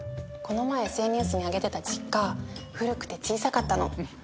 この前ＳＮＳに上げてた実家古くて小さかったの。